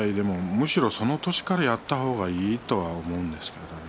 むしろその年からやった方がいいと思うんですね。